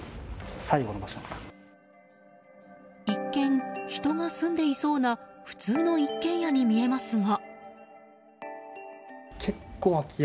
一見、人が住んでいそうな普通の一軒家に見えますが。